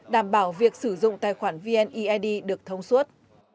đảm bảo việc sử dụng tài khoản vned được thống suốt